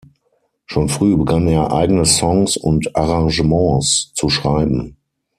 Schon früh begann er eigene Songs und Arrangements zu schreiben.